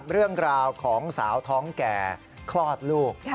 เรื่องราวของสาวท้องแก่คลอดลูก